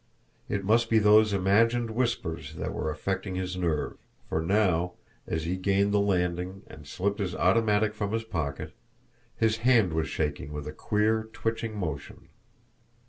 It must be those imagined whispers that were affecting his nerve for now, as he gained the landing and slipped his automatic from his pocket, his hand was shaking with a queer twitching motion.